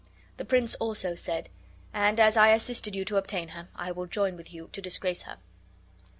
The prince also said, "And as I assisted you to obtain her, I will join with you to disgrace her."